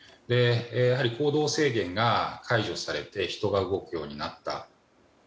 やはり行動制限が解除されて人が動くようになった。